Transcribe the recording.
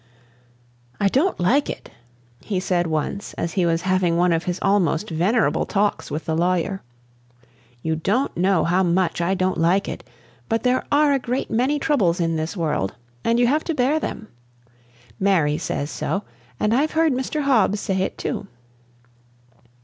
"I don't like it," he said once as he was having one of his almost venerable talks with the lawyer. "You don't know how much I don't like it; but there are a great many troubles in this world, and you have to bear them. Mary says so, and I've heard Mr. Hobbs say it too.